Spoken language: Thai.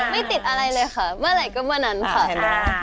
ไม่ติดอะไรเลยค่ะเมื่อไหร่ก็เมื่อนั้นผ่านมา